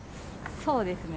そうですね。